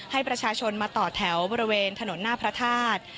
ให้ประชาชนมาต่อแถวบริเวณถนนหน้าพระธาตุ